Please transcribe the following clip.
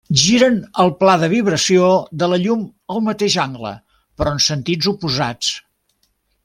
Giren el pla de vibració de la llum el mateix angle però en sentits oposats.